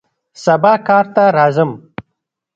سبا کار ته راځم